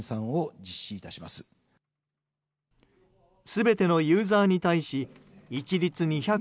全てのユーザーに対し一律２００円。